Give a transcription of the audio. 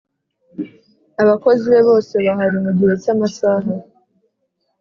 abakozi be bose bahari mu gihe cy amasaha